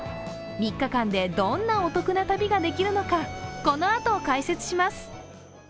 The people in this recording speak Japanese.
３日間でどんなお得な旅ができるのか、このあと解説します。